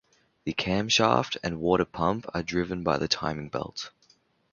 The camshaft and water pump are driven by the timing belt.